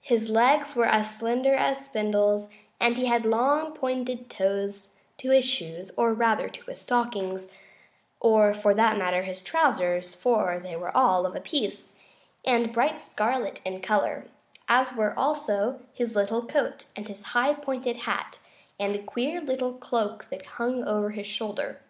His legs were as slender as spindles, and he had long pointed toes to his shoes, or rather to his stockings, or, for that matter, to his trousers, for they were all of a piece, and bright scarlet in color, as were also his little coat and his high pointed hat and a queer little cloak that hung over his shoulder.